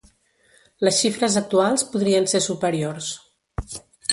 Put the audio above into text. Les xifres actuals podrien ser superiors.